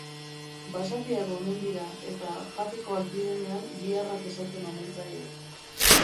Basatiak omen dira, eta jatekoak direnean giharrak esaten omen zaie.